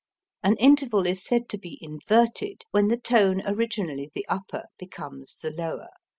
An interval is said to be inverted when the tone originally the upper becomes the lower.